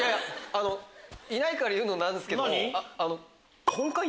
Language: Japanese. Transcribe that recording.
いないから言うのも何ですけど。